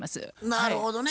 なるほどね。